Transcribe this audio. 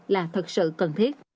là thật sự cần thiết